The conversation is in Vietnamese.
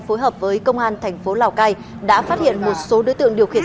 phối hợp với công an tp lào cai đã phát hiện một số đối tượng điều khiển